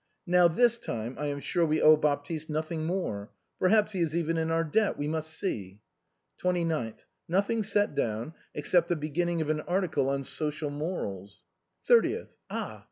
Now this time I am sure we owe Baptiste nothing more Perhaps he is even in our debt. We must see." " 29/^. Nothing set down, except the beginning of an article on * Social Morals.' "" 30th. Ah